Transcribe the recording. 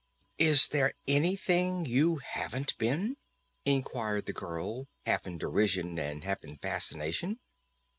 "Is there anything you haven't been?" inquired the girl, half in derision and half in fascination.